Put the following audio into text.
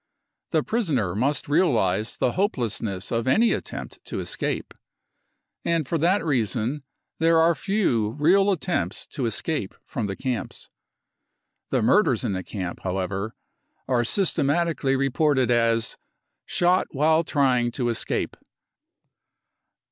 The prisoner must realise the hopelessness of any attempt to escape ; and for that reason there are few real attempts to escape from the camps. The murders in the camp, however, are systematically reported as " shot while' trying to escape.